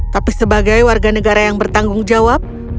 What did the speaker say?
tapi sebagai warga negara yang bertanggung jawab